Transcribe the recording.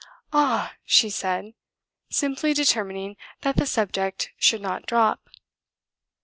"Ah!" she said, simply determining that the subject should not drop.